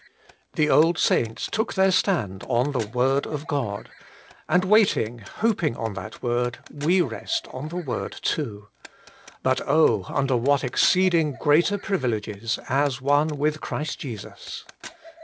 The old saints took their stand on the Word of God, and waiting, hoping on that Word, we rest on the Word too — but, oh ! under what exceeding greater privileges, as one with Christ Jesus.